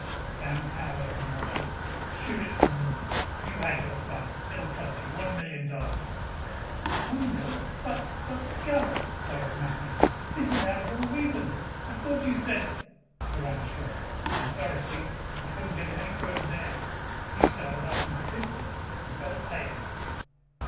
Sam towered over the Martian. "Shoot it to the Moon. You had your fun. It'll cost you. One million dollars." "One mil But but Gus," wailed Matheny, "this is out of all reason! I thought you said " Doran shrugged. "I am sorry, Pete. I could not get him any farther down. He started asking fifty. You better pay him."